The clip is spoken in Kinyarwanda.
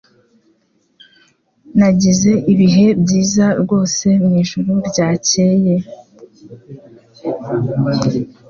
Nagize ibihe byiza rwose mwijoro ryakeye.